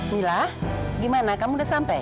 mila gimana kamu udah sampai